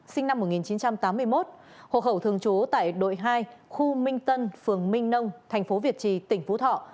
sinh năm một nghìn chín trăm tám mươi một hộ khẩu thường trú tại đội hai khu minh tân phường minh nông thành phố việt trì tỉnh phú thọ